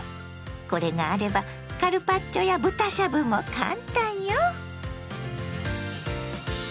これがあればカルパッチョや豚しゃぶもカンタンよ。